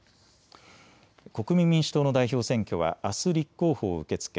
国民民主党の代表選挙はあす立候補を受け付け